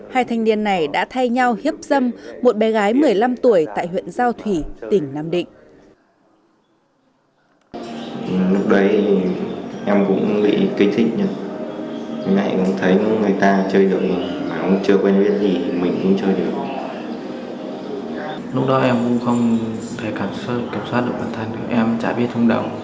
hai thanh niên này đã thay nhau hiếp dâm một bé gái một mươi năm tuổi tại huyện giao thủy tỉnh nam định